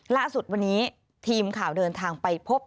ล่าสุดวันนี้ทีมข่าวเดินทางไปพบ